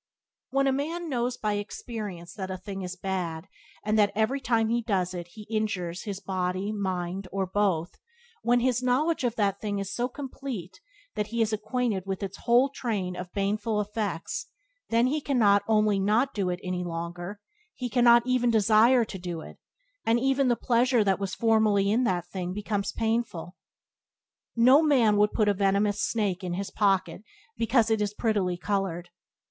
When a man knows by experience that a thing is bad, and that every time he does it he injuries body or mind, or both; when his knowledge of that thing is so complete that he is acquainted with its hole train of baneful effects, then he cannot only not do it any longer, he cannot even desire to do it, and even the pleasure that was formerly in that thing becomes painful. No man would put a venomous snake in his pocket because it is prettily coloured.